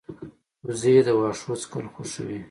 وزې د واښو څکل خوښوي